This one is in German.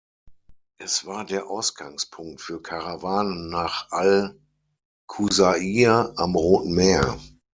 Es war der Ausgangspunkt für Karawanen nach Al-Qusair am Roten Meer.